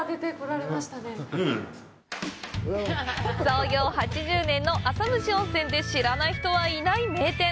創業８０年の浅虫温泉で知らない人はいない名店。